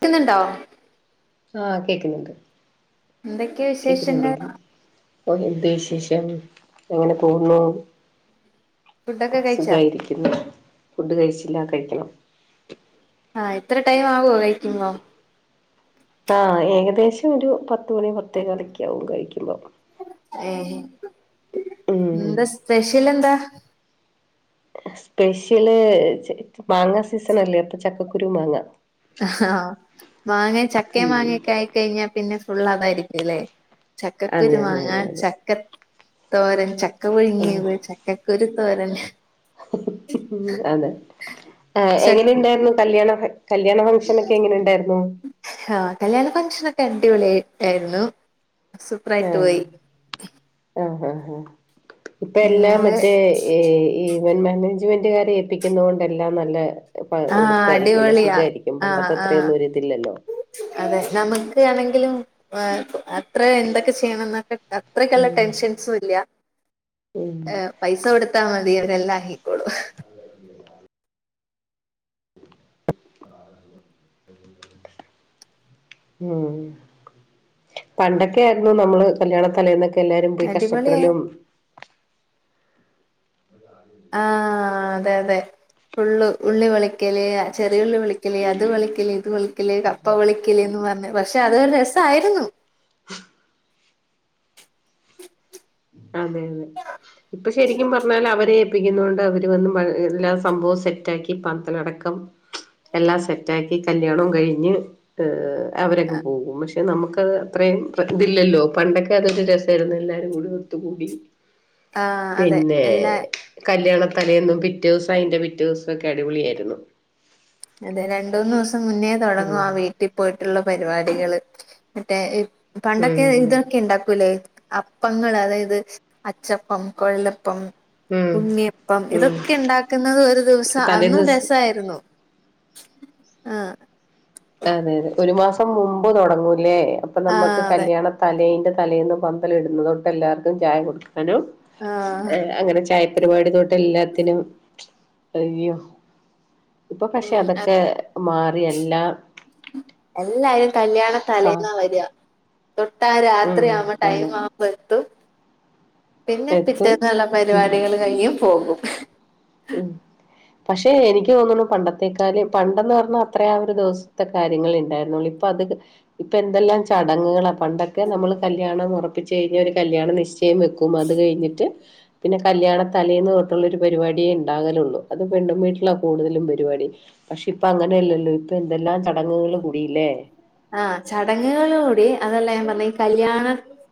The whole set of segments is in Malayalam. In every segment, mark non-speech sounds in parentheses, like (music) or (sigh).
ക്ക്ന്നുണ്ടോ? ആഹ് കേക്കുന്നുണ്ട് എന്തൊക്കെയ വിശേഷങ്ങൾ കേക്കുന്നുണ്ടെയിന്നു. ഓഹ് എന്ത് വിശേഷം? എങ്ങനെ പോവുന്നു ഫുഡൊക്കെ കഴിച്ചാ സുഖവായിരിക്കുന്നു ഫുഡ് കഴിച്ചില്ല. കഴിക്കണം. ആഹ് ഇത്ര ടൈം ആവുവോ കഴിക്കുബോം ആ ഏകദേശം ഒരു പത്ത് മണി പത്തേ കാലൊക്കെ ആവും കഴിക്കുമ്പോം ഏഹ് ഉം എന്താ സ്പെഷ്യൽ എന്താ? സ്പെഷ്യല് മാങ്ങ സീസൺ അല്ലേ അപ്പൊ ചക്കക്കുരു മാങ്ങ മാങേം ചക്കേം ഉം മാങ്ങേക്കെ ആയിക്കഴിഞ്ഞാ പിന്നെ ഫുള്ള് അതായിരിക്കുലെ അതെ അതെ ചക്കക്കുരുമാങ്ങ, അതെ അതെ ചക്ക തോരൻ, ചക്ക ആഹ് പഴുങ്ങിയേത്, ച ക്കക്കുരു തോരൻ ഉം അതെ ഏഹ് എങ്ങനെ ചക് ഇണ്ടായിരുന്നു കല്യാണൊക്കെ കല്യാണ ഫംഗ്ഷൻ ഒക്കെ എങ്ങനെ ഉണ്ടായിരുന്നു. ആഹ് കല്യാണ ഫംഗ്ഷനൊക്കെ അടിപൊളി ആയിരുന്നു ആഹ് ആഹ് ആ ഇപ്പേല്ലാം നിങ്ങള് മറ്റേ ഏഹ് ഈ ഇവന്റ് മാനേജ്മെന്റുകാരെ ഏപ്പിക്കുന്ന കൊണ്ടെല്ലാം നല്ലെ ഇപ്പ ആഹ് എളുപ്പായിരിക്കും അല്ലെ അടിപൊളിയാ സുഖായിരിക്കും ആഹ് പണ്ടത്തെ ആഹ് അത്രയൊന്നും ഒരിതില്ലല്ലോ. അതെ നമുക്ക് ആണെങ്കിലും ഏഹ് അത്ര എന്തൊക്കെ ചെയ്യണം എന്നൊക്കെ അത്രക്കല്ല ഉം ടെൻഷൻസും ഇല്ല ഉം പൈസ കൊടുത്താ മതി അവരെല്ലാം ആക്കിക്കോളും ഉം പണ്ടൊക്കെ ആയിരുന്നു നമ്മള് കല്യാണ തലേന്നൊക്കെ എല്ലാരും പോയി അടിപൊളിയ കഷ്ടപ്പെടലും ആഹ് അതെ അതെ ഫുള്ള് ഉള്ളി പൊളിക്കല്ചെറിയ ഉള്ളി പൊളിക്കല് അത് പൊളിക്കല് ഇത് പൊളി ക്കല് കപ്പ പൊളിക്കല്ന്ന് പറഞ്ഞ് പക്ഷെ അതരു രസായിരുന്നു അതെ അതെ ഇപ്പൊ ശരിക്കും പറഞ്ഞാൽ അവര് ഏൽപ്പിക്കുന്നോണ്ട് അവര് വന്ന് എല്ലാ സംഭവും സെറ്റ് ആക്കി പന്തലടക്കം എല്ലാം സെറ്റാക്കി കല്യാണം കഴിഞ്ഞ് അവരങ്ങ് പോകും പക്ഷേ നമുക്കത് അത്രയും ഇതില്ലല്ലോ പണ്ടൊക്കെ അതൊരു രസായിരുന്നു എല്ലാരും കൂടി കൂടി ആ അതെ പിന്നെ എല്ലാ കല്യാണ തലെന്നും പിറ്റേ ദിവസം അതിന്റെ പിറ്റേ ദിവസംക്കെ അടിപൊളിയായിരുന്നു അതെ രണ്ട് മൂന്ന് ദിവസം മുന്നേ തുടങ്ങും ഉം ആ വീട്ടിൽ പോയിട്ടുള്ള പരിപാടികള് മറ്റേ പണ്ടൊക്കെ ഉം ഇതൊക്കെ ഇണ്ടാക്കൂല്ലേ അപ്പങ്ങൾ അതായത് അച്ചപ്പം കൊഴലപ്പം ഉം ഉണ്ണിയപ്പം ഉം ഇതൊക്കെ ഇണ്ടാക്കുന്നത് ഒരു ദിവസം തലേ അന്നും ദിവസം രസായിരുന്നു ആഹ് അതെ അതെ ഒരു മാസം മുമ്പ് തുടങ്ങൂലേ അപ്പൊ നമ്മുക്ക് ആഹ് അതെ കല്യാണ തലേൻ്റെ തലേന്ന് പന്തല് ഇടുന്നവർക്ക് എല്ലാർക്കും ചായ കൊടുക്കും എന്തെനു ആഹ് അങ്ങനെ ചായ പരിപാടി തൊട്ട് എല്ലാത്തിനും അയ്യോ ഇപ്പൊ പക്ഷെ ഉം അതൊക്കെ മാറി എല്ലാം എല്ലാരും കല്യാണ സ തലേന്നാ വരാ തൊട്ടാ ഉം രാത്രി ആവുമ്പോ ടൈം അതെ ആവുമ്പോ എത്തും പിന്നെ എത്തും പിറ്റേന്നുള്ള ഉം പരിപാടികൾ കഴും പോകും ഉം പക്ഷെ എനിക്ക് തോന്നുന്നു പണ്ടത്തെക്കാല് പണ്ടന്ന് പറഞ്ഞാൽ അത്രേ ആ ഒരു ദിവസത്തെ കാര്യങ്ങളെ ഉണ്ടായിരുന്നൊള്ളൂ അ അത് ഇപ്പ എന്തെല്ലാം ചടങ്ങുകളാ പണ്ടൊക്കെ നമ്മൾ കല്യാണം ഉറപ്പിച്ച് കഴിഞ്ഞാൽ കല്യാ നി വെക്കും അത് കഴിഞ്ഞിട്ട് പിന്നെ കല്യാണ തലേന്ന് തൊട്ടുള്ള ഒരു പരിപാടി ഇണ്ടാകലുള്ളൂ അത് പെണ്ണ് വീട്ടിലാ കൂടുതലും പരിപാടി പക്ഷെ ഇപ്പ അങ്ങനെയല്ലല്ലോ ഇപ്പൊ എന്തെല്ലാം ചടങ്ങുകൾ കൂടില്ലേ ആഹ് ചടങ്ങുകളൾ കൂടി അതല്ല ഞാൻ പറഞ്ഞ കല്യാണ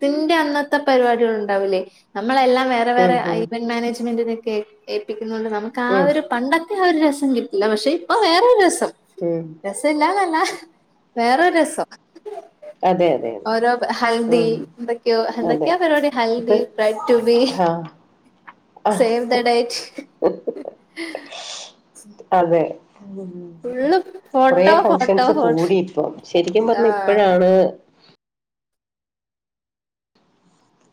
ത്തിന്റെ അന്നത്തെ പരിപാടികൾ ഉണ്ടാവൂല്ല നമ്മളെല്ലാം വേറെ വ ഉം വേറെ ഉം ഇവന്റ് മാനേജ്മെന്റിനൊക്കെ എപ്പിക്കുന്നോണ്ട് നമുക്ക് ആഹ് ഉം ഒരു പണ്ടൊക്കെ ആ ഒരു രസം കിട്ടില്ല പക്ഷെ ഇപ്പൊ വേറെ ഒരു രസം ഉം തില്ലാ തല്ലാ വേറൊരസം അതെ അതെ അതെ ഓരോ ഹൽദി ഉം എന്തൊക്കെയോ അതെ എന്തൊക്കെയോ പരിപാടി ഇപ്പൊ ഹൽദി ബ്രൈ റ്റു ബി ആഹ് സേവ് ദ ഡൈറ്റ് അതെ ഫുള്ള് കൊറേ ഫോട്ടോ ഫോട്ടോ ഫങ്ഷൻസ് ഫോട്ടോ കൂടി ഇപ്പം ശരിക്കും പറഞ്ഞാ ആഹ് ഇപ്പോഴാണ്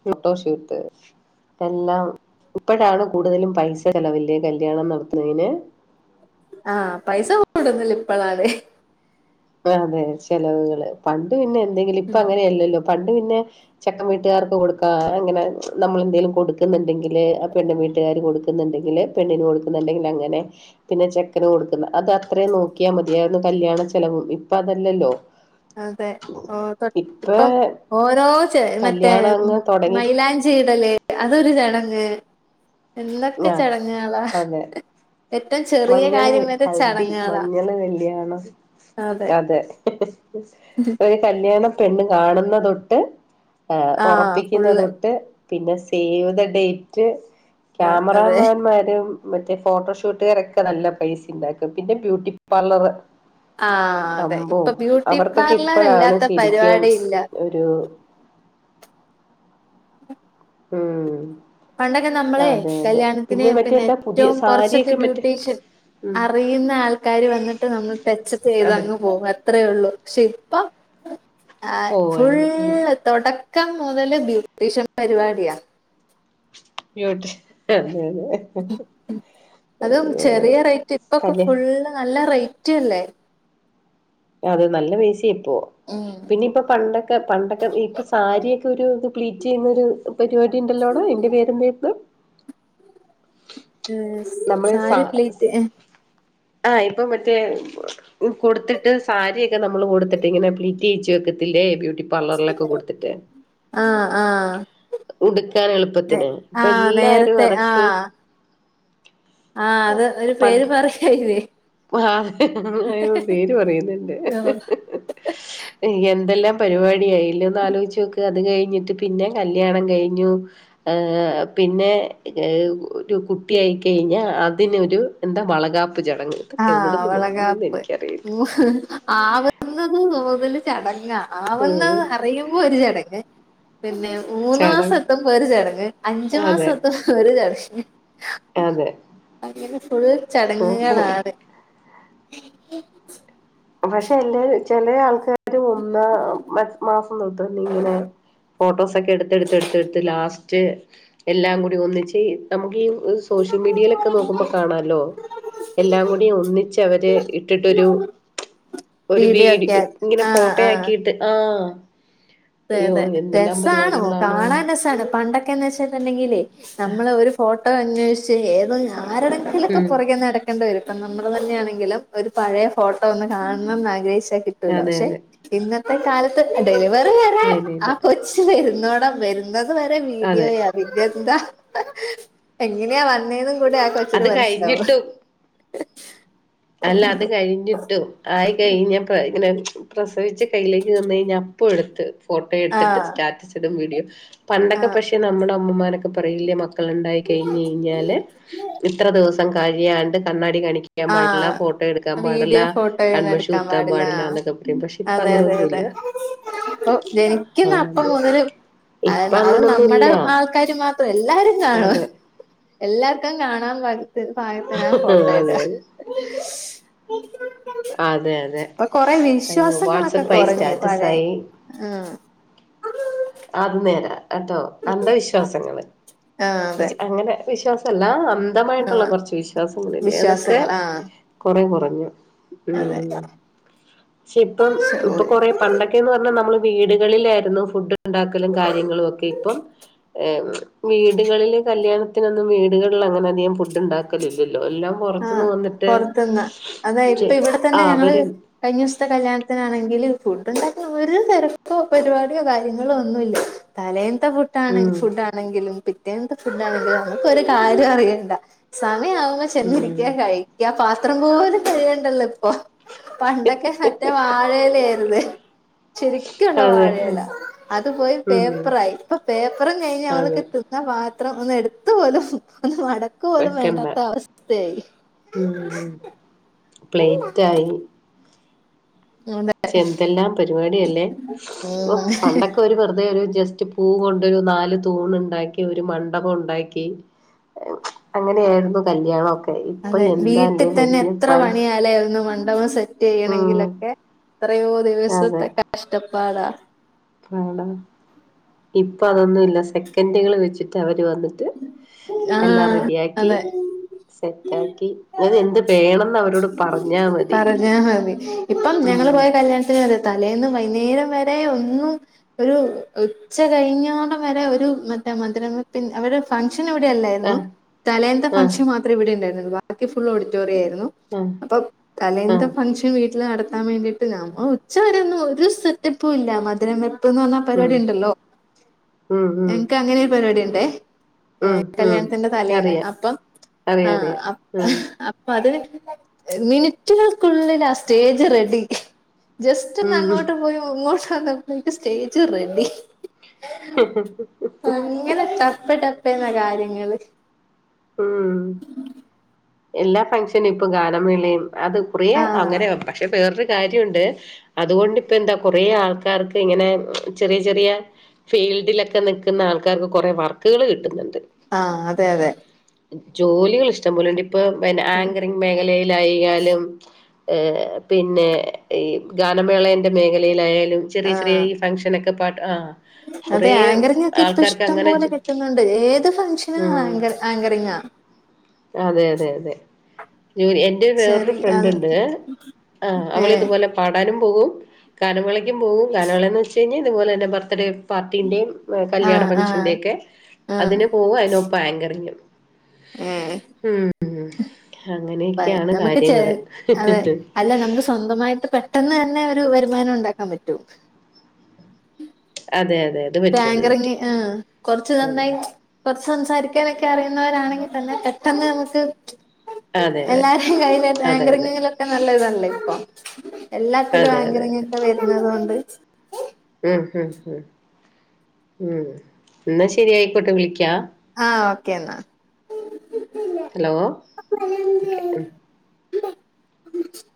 ഫോട്ടോ ഷൂട്ട് എല്ലാം ഇപ്പോഴാണ് കൂടുതലും പൈസ ചെലവല്ലേ കല്യാണം നടത്ത് ണേന് ആഹ് പൈസ കൂടുതൽ ഇപ്പളാണ് അതെ ചെലവുകള് പണ്ട് പിന്നെ എന്തെങ്കിലും ഇപ്പം ഉം അങ്ങനെയ അല്ലല്ലോ പണ്ട് പിന്നെ ചെക്കൻ വീട്ടുകാർക്ക് കൊടുക്കാ അങ്ങനെ നമ്മളെന്തെങ്കലും കൊടുക്കുന്നുണ്ടെങ്കില് ആഹ് പെണ്ണ വീട്ടുകാര് കൊടുക്ക കൊടുക്കുന്നുണ്ടെങ്കില് പെണ്ണിന് കൊടുക്കുന്നുണ്ടെങ്കിൽ അങ്ങനെ പിന്നെ ചെക്കന് കൊടുക്കുന്ന അത് അത്രയും നോക്കിയാൽ മതിയായിരുന്നു കല്യാണ ചെലവുംവും ഇപ്പൊ അതല്ലല്ലോ അതെ ഇപ്പ ഇപ്പം ഓരോ (unintelligible) മറ്റേ കല്യാണം അങ്ങ് തൊടങ്ങി മൈലാഞ്ചി ഇടല് അതൊരു ചടങ്ങ് എന്തൊക്കെ ആഹ് ചടങ്ങ്ക്ളാ അതെ മഞ്ഞള് ഹൽദി മഞ്ഞള് കല്യാണം അതെ കല്യാണ പെണ്ണ് കാണുന്ന തൊട്ട് ആഹ് ഉറപ്പിക്കുന്ന തൊട്ട് പിന്നെ സേവ് ദ ഡേറ്റ് ആഹ് അതെ ക്യാമറാമാൻമാരും മറ്റേ ഫോട്ടോഷൂട്ടുകാരൊക്കെ നല്ല പൈസണ്ടാക്കും പിന്നെ ബ്യൂട്ടി പാർലർ ആഹ് അതെ അമ്പോ ഇപ്പൊ ബ്യൂട്ടി അവർക്കൊക്കെ പാർലർ ഇപ്പഴാണ് ഇല്ലാത്ത ശരിക്കും പരിപാടി ഇല്ല ഒരു ഉം പണ്ടൊക്കെ നമ്മളെ അതെ അതെ കല്യാണത്തിന് മറ്റേ പിന്നെ എന്താ പുതിയ ഏറ്റവും കൊറച്ചൊക്കെ സാരിയൊക്കെ മറ്റേ ബ്യൂട്ടീഷ്യൻ ഉം അറിയുന്ന ആൾ ക്കാര് വന്നിട്ട് നമ്മൾ ടച്ചപ്പ് അതെ ചെയ്തങ്ങ് പോകും അത്രേയള്ളൂ പക്ഷെ ഇപ്പം ആഹ് ഓഹ് ഫുള് ഉം തുടക്കം മുതല് ബ്യൂട്ടീഷ്യൻ പരിപാടിയാ ട്ടി അതെ അതെ അതും അയ്യോ ചെറിയ റേറ്റ് ഇപ്പൊക്കെ കല്യ ഫുള് നല്ല റേറ്റ് അല്ലേ അത് നല്ല പൈസയാ ഇപ്പം ഉം പിന്നെ പണ്ടൊ ക്കെ പണ്ടൊക്കെ ഇപ്പൊ സാരിയൊക്കെ ഒരു ഇത് പ്ലീറ്റെയ്യുന്നൊരു പരിപാടി ഉണ്ടല്ലോടാ അയ്ന്റെ പേരെന്തായിരുന്നു ആഹ് സാരി പ്ളീറ്റ് ആ ആഹ് ഇപ്പൊ മറ്റേ കൊടുത്തി സാരിയക്കെ നമ്മള് കൊടുത്തിട്ട് ഇങ്ങനെ പ്ളിറ്റ് ചെയ്ച്ച വെക്കത്തില്ലേ ബ്യൂട്ടി പർലറിലൊക്കെ കൊടുത്തിട്ട് ആഹ് ആഹ് ഉടുക്കാൻ എളുപ്പത്തിന് ആഹ് ഇപ്പൊല്ലാരും നേരത്തെ അതൊക്കെ ആഹ് ആഹ് അത് ഒരു പേര് പറയാ (unintelligible) ആഹ് അയ്യേ പേര് പറയുന്നുണ്ട് ഓ എന്തെല്ലാം പരിപാടി ആയില്ലോന്ന് ഒന്നാആലോയ്ച്ചക്ക് അത് കഴിഞ്ഞിട്ട് പിന്നെ കല്ല്യാണം കഴിഞ്ഞു പിന്നെ ഒരു കുട്ടിയായി കഴിഞ്ഞാ അതിനൊരു എന്താ വളകാപ്പ് ചടങ്ങ് ഇതൊക്കെ ആഹ് എവിടുന്ന് വന്നു എന്ന് വളകാപ്പ് എനിക്കറിയില്ല ആവുന്നത് മുതലേ ചടങ്ങാ ഉം. ആവുന്നത് അറിയുമ്പോ ഒരു ചടങ്ങ് പിന്നെ മൂന്ന് മാസം ചടങ്ങ് എത്തുമ്പം ഒരു ചടങ്ങ് അഞ്ചു മാസം അതെ എത്തുമ്പം ഒരു ചടങ്ങ് അതെ അങ്ങനെ ഫുള് അതെ ചടങ്ങുകളാ പക്ഷെ എന്റെ ചില ആൾക്കാര് ഒന്നാം മാസം തോട്ട് ഇങ്ങനെ ഫോട്ടോസൊക്കെ എടുത്ത് എടുത്ത് എടുത്ത് എടുത്ത് ലാസ്റ്റ് എല്ലാം കൂടി ഒന്നിച്ച് നമുക്ക് ഈ സോഷ്യൽ മീഡിയയിലൊക്കെ നോക്കുമ്പോ കാണല്ലോ എല്ലാം കൂടി ഒന്നിച്ച് അവരെ ഇട്ടിട്ടൊരു ഫോ ഒരു വീഡിയോ വീഡി ഒക്കെ ഇങ്ങനെ ആഹ് ഫോട്ടോ ആഹ് ആക്കിയിട്ട് ആഹ് അതെ അതെ രസവാണൊ പരിപാടികളാണോ കാണാൻ രസവാണ് പണ്ടൊ ക്കന്ന് വെച്ചിട്ടുണ്ടെങ്കില് നമ്മള് ഒരു ഫോട്ടോ അനേഷിച്ചേ ഏതോ ആരുടെ - ഇതിലൊക്കെ ഉം പൊറകെ നട വരും ഇപ്പൊ നമ്മൾ തന്നെയാണെങ്കിലും ഒരു പഴയ ഫോട്ടോ ഒന്ന് കാണണംന്ന് ആഗ്രഹിച്ചാ കിട്ടൂല അതെ പക്ഷെ അതെ - ഇന്നത്തെ കാലത്ത് ഡെലിവറി വരെ ആ അയിനില്ല കൊച്ച് വരുന്നോട വര (unintelligible) വരെ അതെ അതെ വീഡിയോയാ അതിന്റെ എന്താ എങ്ങനെയാ വന്നെന്ന് - ഇവിടെ ആകൊച്ചിന് അത് മനസ്സിലാവും കഴിഞ്ഞിട്ടും അല്ല അത് കഴിഞ്ഞിട്ടു ആയി കഴഞ്ഞപ്പ ഇങ്ങനെ പ്രസവിച്ച കയ്യിലേക്ക് തന്ന് കഴിഞ്ഞാ അപ്പം എടുത്ത് - ഫോട്ടോ എടുത്തിട്ട് ആഹ് സ്റ്റാറ്റസ് ഇടും വീഡിയോ പണ്ടൊക്കെ ആഹ് പക്ഷെ നമ്മുടെ അമ്മമാരോക്കെ പറയില്ലേ മ മക്കൾ ഇണ്ടായി കഴിഞ്കഴിഞ്ഞാല് ഇത്ര ദിവസം കഴിയാണ്ട് കണ്ണാടി കാണിക്കാൻ പാ ല്ല ആഹ് ഫോട്ടോ എടുക്കാൻ പാടില്ല വീഡിയോ ഫോട്ടോയൊന്നും കണ്മഷി എടുക്കാൻ കുത്താൻ പാടില്ല ആഹ് എന്നൊക്കെ പറയും പക്ഷെ ഇപ്പ അങ്ങനെ ഒന്നുയില്ല ഇപ്പൊ ജനിക്കുന്ന അപ്പ മൊതല് - അ ഇപ്പൊ അത് നമ്മുടെ അങ്ങനൊന്നുമില്ല ആൾക്കാര് മാത്രം അല്ല എല്ലാരും കാണും. അതെ എല്ലാർക്കും കാണാൻ പാത്ത് പാകത്തിനാ അതെ ഫോട്ടോ അതെ ഇടുക ഉ (unintelligible) അതെ അതെ ഇപ്പൊ കൊറെ അയ്യോ വിശ്വാസങ്ങളൊക്കെ വാട്സപ്പായി കൊറഞ് പഴെ സ്റ്റാറ്റസായി ആഹ് അത് നേരാ ട്ടോ അന്ധവിശ്വാസങ്ങള് ആഹ് അതെ വിശ് അങ്ങനെ വിശ്വാസല്ല അന്തമായിട്ടുള്ള ആഹ് കൊറച്ച് വിശ്വാസങ്ങൾ ഇല്ലേ അതൊക്കെ വിശ്വാസങ്ങൾ ആഹ് - കൊറെ കൊറഞ്ഞു അതെ ഉം പക്ഷെ ഇപ്പം ഇപ്പൊ കൊറ പണ്ടൊക്കെന്ന് പറഞ്ഞാൽ നമ്മള് - വീടുകളിലായിരുന്നു ഫുഡ് ഉണ്ടാക്കലും കാര്യങ്ങളും ഒക്കെ ഇപ്പം - വീടുകളിലില് കല്യാണത്തിനൊന്നും വീടുകളിൽ അങ്ങനെ അധികം ഫുഡ് ഉണ്ടാ- ആക്കലില്ലല്ലോ എല്ലാം ആഹ് പൊറത്തിന്ന് വന്നിട്ട് പൊറത്ത്ന്ന് അതാ ഇപ്പൊ ഇവിടെ തന്നെ ആഹ് ഞങ്ങള് അവര് - കഴിഞ്ഞ ദിവസത്തെ കല്യാണത്തിനാണെങ്കിൽ ഫുഡ് ഉണ്ടാക്കുന്ന ഒരു തെരക്കോ പരിപാടിയോ കാര്യങ്ങളോ ഒന്നുമില്ല തലേന്നത്തെ ഫുഡ് ഉം - ഫുഡ് ആണെങ്കിലും പിറ്റേനത്തെ ഫുഡ് ആണെങ്കിലും നമുക്ക്‌ ഒരു കാര്യം അറിയേണ്ട സമയവാവുമ്പ ഉം ചെന്നിരിക്ക കഴിക്ക പാത്രം പോലും കഴുകണ്ടല്ലോ ഇപ്പൊ പണ്ടൊക്കെ മറ്റേ വാഴയില ആയിരുന്നു ശരിക്കുള്ള അതെ വാഴയെല അത് പോയി ഉം പേപ്പറായി ഇപ്പൊ പേപ്പറും കഴിഞ്ഞ് അവ (unintelligible) ങ്ങക്ക് അതെ എത്തും തിന്ന പാത്രം ഒന്ന് എടുത്തപോലും ഒന്ന് മടക്കും വെക്കണ്ട ഉം പ്ലേറ്റ് ആയി ആ (unintelligible) ശെ എന്തെല്ലാം പരിപാടിയല്ലേ ഓ ഉം പണ്ടൊക്കെ ഒരു വെറുതെ ഒരു ജസ്റ്റ് - പൂ കൊണ്ടു പോയി നാല് തൂണ് ഉണ്ടാക്കി ഒരു മണ്ഡപം ഒണ്ടാക്കി അങ്ങനെയായിരുന്നു കല്യാണം ഒക്കെ അതെ വീട്ടിൽ തന്നെ എത്ര പണിയാ ഇല്ലേ ഒന്ന് മണ്ഡപം സെറ്റ് ഉം ചെയ്യണമെങ്കിലൊക്കെ എത്രയോ ദിവസത്തെ കഷ്ടപ്പാടാ കാണാം ഇപ്പൊ അതൊന്നുമില്ല സെക്കൻഡുകൾ വെച്ചിട്ടാ അവര് വന്ന് - ട്ട് എല്ലാം ആഹ് റെഡിയിയാക്കി അതെ സെറ്റ് ആക്കി ഇനി എന്ത് വേണംന്ന് അവരോട് - പറഞ്ഞാൽ മതി ഇപ്പം ഉം ഞങ്ങള് പോയ കല്യാണത്തിന് - തലേന്ന് വൈകുന്നേരം വരെ ഒന്നും- ഒരു ഉച്ച കഴിഞ്ഞോടം വരെ ഒരു മറ്റേ മധുരം വെപ്പിന്റെ അവര് ഫംഗ്ഷൻ ഇവിടെയല്ലായിരുന്നു ആഹ് തലേത്തെ ആഹ് ഫങ്ഷൻ മാത്രേ ഇവിടെ ഉണ്ടായിരുന്നുള്ളൂ ബാക്കി ഫുൾ ഓഡിറ്റോറിയ ആയിരുന്നു ആഹ് തലേന്ത ആഹ് ഫംഗ്ഷൻ വീട്ടിൽ നടത്താൻ വേണ്ടിട്ട് നമ്മ ഉച്ചവരെൊന്നും ഒരു സെറ്റപ്പും ഇല്ല മധുരംവെപ്പ്,, ഇപ്പന്ന് പറഞ്ഞാ ഉം പരിപാടി ഉണ്ടല്ലോ ഉം ഉം എനക്ക് അങ്ങനെൊ ഒരു പരിപാടി ഉണ്ടേ ഏ ഉം ഹ് ഉം കല്യാണത്തിന്റെ തലേന്ന് അറിയാം അപ്പം അറിയാം ആഹ് അറിയാം ഉം അപ്പ അതിന് മിനിറ്റുകൾക്കുള്ളിൽ ആ സ്റ്റേജ് റെഡി ജസ്റ്റ് ഒന്ന് ഉം അങ്ങോട്ട് പോയി ഇങ്ങോട്ട് വന്നപ്പോഴേക്ക് സ്റ്റേജ് റെഡി അങ്ങനെ ടപ്പടപ്പേ എന്ന കാര്യങ്ങള് ഉം എല്ലാ ഫങ്ഷനും ഇപ്പൊ ഗാനമേളയും അത് കുറിയ ആഹ് അങ്ങനെ പക്ഷെ വേറ കാര്യമുണ്ട് അതുകൊണ്ടിപ്പ എന്താ കൊറെേ ആൾക്കാർക്ക് ഇങ്ങനെ ചെറിയ ചെറിയ ഫീൽഡിലൊക്കെ നിൽക്കുന്ന ആൾക്കാർക്ക് കുറെേ വർക്കുകൾ കിട്ടുന്നുണ്ട് ആഹ് അതെ അതെ ജോലികൾ ഇഷ്ടംപലെണ്ട് ഇപ്പൊ ആങ്കറിങ് മേഖലയിലായാലും ഏഹ് പിന്നെ ഈ ഗാനമേളേന്റെ മേഖലയിലായാലും ചെറിയ ചെറിയ ആഹ് ഈ ഫംഗ്ഷനൊക്കെ പാ്ട്ട് ആഹ് അതെ ആങ്കറിങ്ങ ഒക്കെ ഇഷ്ടം അങ്ങനെ പോലെ ജോ- കിട്ടുന്നുണ്ട് ഏത് ഫംഗ്ഷനും ഉം ആങ്കർ ആങ്കറിങ്ങാ അതെ അതെ അതെ ജൂ എൻ എന്റെ വേറൊരു ചെറിയ ഫ്രണ്ട് ഉണ്ട്ഏഹ് അവള ഇതു ഏഹ് പോലെ പാടാനും പോകും ഗാ നമേളയ്ക്കും പോകും ഗാ നമളയെന്ന് വച്ച്കഴിഞ്ഞാൽ ഇതുപോല എന്നെ ബർത്ത് ഡേ പാർട്ടിന്റെയും കല്യാണ ആഹ് ആഹ് ഫംഗ്ഷന്റെ ക്കെ ആഹ് അതിന് പോവും അതിനൊപ്പം ആങ്കറിങ്ങും ഏഹ് ഉം അങ്ങനെയൊക്കെയാണ് നമക്ക് ചെ കാര്യങ്ങള് അതെ അല്ല നമക്ക് സ്വന്തമായിട്ട് പെട്ടെന്ന് തന്നെ ഒരു വരുമാനം ഉണ്ടാക്കാൻ പറ്റും അതെ അതെ അതെ ഇത് ആങ്കറിങ്ങ് ആഹ് കൊറച്ച് ഉം നന്നായി കൊറച്ച് സംസാരിക്കാനൊക്കെ അറിയുന്നവരാണെങ്കിൽ തന്നെ പെട്ടെന്ന് നമക്ക് അതെ അതെ എല്ലാരും കയ്ഞ്ഞിട്ട് ആ അതെ അതെ ങ്കറിങ്ങിലൊക്കെ നല്ല ഇതല്ലേ ഇപ്പൊ എല്ലാത്തിലും ആ അതെ അതെ അതെ ങ്കറിങ്ങ്ക്കെ വരുന്നത് കൊണ്ട് ഉം ഉം ഉം എന്നാ ശരിയയിക്കോട്ടെ വിളിക്കാ ആഹ് ഓക്കേ എന്നാ ഹലോ ഒക്കെ (unintelligible)